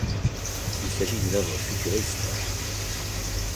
Il s'agit d'une œuvre futuriste.